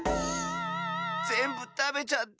ぜんぶたべちゃった。